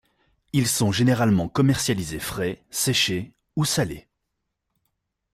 Ils sont généralement commercialisés frais, séchés, ou salés.